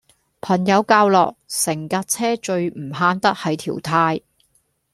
朋友教落成架車最唔慳得係條呔